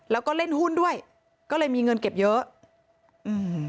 แล้วก็เล่นหุ้นด้วยก็เลยมีเงินเก็บเยอะอืม